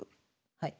はい。